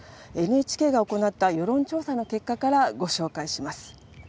ＮＨＫが行った世論調査の結果からご紹介します。